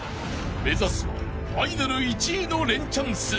［目指すはアイドル１位のレンチャン数］